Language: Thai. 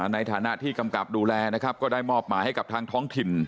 ในฐานะที่กำกับดูแลนะครับก็ได้มอบหมายให้กับทางท้องถิ่น